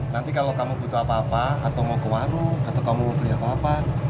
nanti kalau kamu butuh apa apa atau mau ke warung atau kamu mau beli apa apa